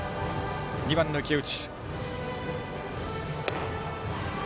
２番の池内。